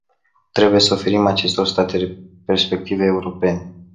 Trebuie să oferim acestor state perspective europene.